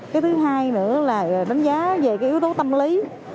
cái thứ hai nữa là đánh giá về cái yếu tố tâm lý